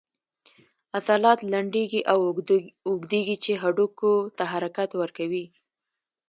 عضلات لنډیږي او اوږدیږي چې هډوکو ته حرکت ورکوي